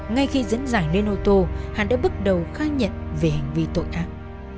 ngay khi dẫn dải lên ô tô hắn đã bắt đầu khai nhận về hành vi tội ác